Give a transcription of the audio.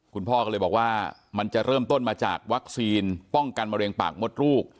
คุณพ่อก็เลยบอกว่ามันจะเริ่มต้นมาจากวัคซีนป้องกันมะเร็งปากมดลูก